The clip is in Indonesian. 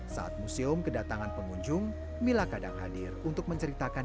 saat museum kedatangan pengunjung mila kadang hadir untuk menceritakan